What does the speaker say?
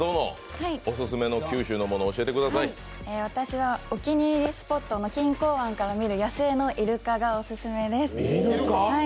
私はお気に入りスポットの錦江湾から見る野生のいるかがオススメです。